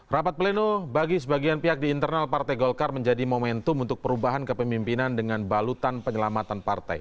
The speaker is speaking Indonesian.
rapat pleno bagi sebagian pihak di internal partai golkar menjadi momentum untuk perubahan kepemimpinan dengan balutan penyelamatan partai